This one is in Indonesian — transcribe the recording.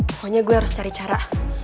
pokoknya gue harus cari cara